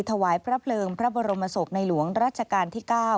ถวายพระเพลิงพระบรมศพในหลวงรัชกาลที่๙